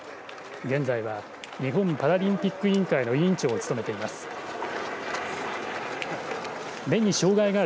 現在は日本パラリンピック委員会の委員長を務めています。